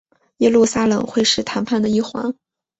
耶路撒冷会是谈判的一环。